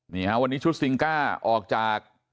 นี่ฮะวันนี้ชุดซิงก้าออกจาก